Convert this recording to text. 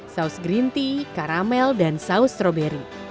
saus green tea karamel dan saus stroberi